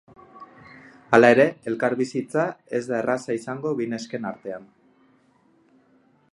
Hala ere, elkarbizitza ez da erraza izango bi nesken artean.